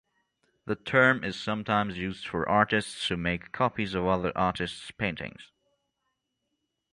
The term is sometimes used for artists who make copies of other artists' paintings.